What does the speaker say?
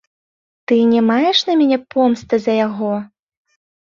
Ты не маеш на мяне помсты за яго?